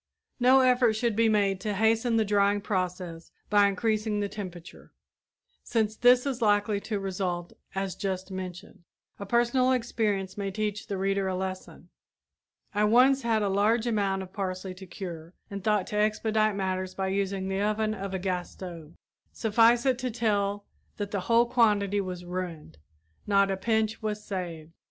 No effort should be made to hasten the drying process by increasing the temperature, since this is likely to result as just mentioned. A personal experience may teach the reader a lesson. I once had a large amount of parsley to cure and thought to expedite matters by using the oven of a gas stove. Suffice it to tell that the whole quantity was ruined, not a pinch was saved.